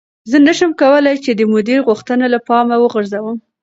زه نشم کولی چې د مدیر غوښتنه له پامه وغورځوم.